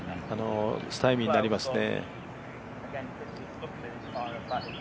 スタイミーになりますね。